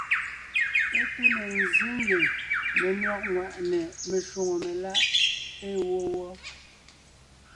É té ne ńzsé ngie menÿɔ́g ŋwàʼne meshwóŋè meláʼ ée wó wɔ́.